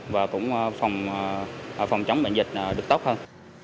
và cũng phòng chống bệnh dịch được tốt hơn